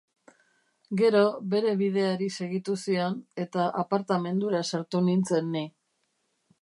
Gero, bere bideari segitu zion, eta apartamendura sartu nintzen ni.